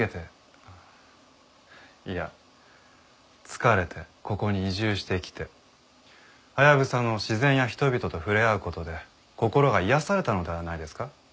いや疲れてここに移住してきてハヤブサの自然や人々と触れ合う事で心が癒やされたのではないですか？